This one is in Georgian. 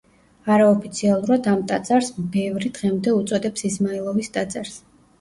არაოფიციალურად ამ ტაძარს ბევრი დღემდე უწოდებს იზმაილოვის ტაძარს.